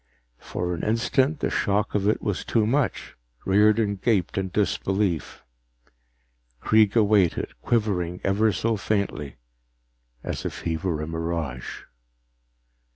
For an instant, the shock of it was too much; Riordan gaped in disbelief. Kreega waited, quivering ever so faintly as if he were a mirage.